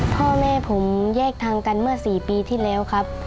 พ่อแม่ผมแยกทางกันเมื่อ๔ปีที่แล้วครับ